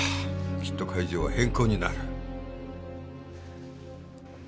きっと会場は変更になる。